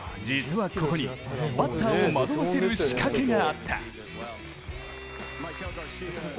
実はここに、バッターを惑わせる仕掛けがあった。